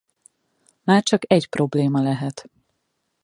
Már csak egy probléma lehet.